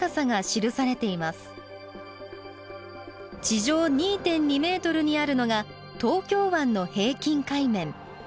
地上２．２メートルにあるのが東京湾の平均海面。